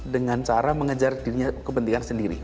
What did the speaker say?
dengan cara mengejar kepentingan sendiri